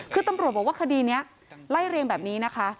คือตำรวจบอกว่าคดีนี้ไล่เรียงแบบนี้นะคะ